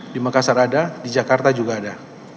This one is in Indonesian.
di makassar ada di jakarta juga ada